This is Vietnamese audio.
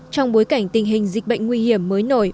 trong bối cảnh tình hình dịch bệnh nguy hiểm mới nổi